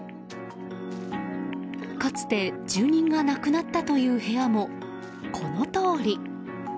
かつて住人が亡くなったという部屋も、このとおり。